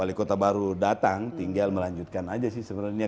wali kota baru datang tinggal melanjutkan aja sih sebenarnya